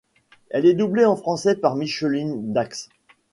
Elle est doublée en français par Micheline Dax.